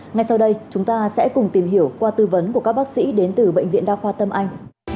ngay sau đây chúng ta sẽ cùng tìm hiểu qua tư vấn của các bác sĩ đến từ bệnh viện đa khoa tâm anh